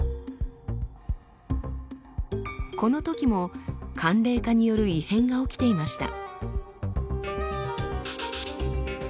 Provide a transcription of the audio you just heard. このときも寒冷化による異変が起きていました。